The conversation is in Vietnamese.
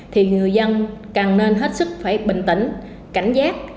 thì người dân càng nên hết sức phải bình tĩnh cảnh giác